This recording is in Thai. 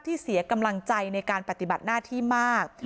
เสียกำลังใจในการปฏิบัติหน้าที่มาก